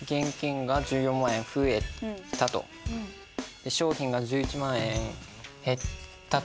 で商品が１１万円減ったと。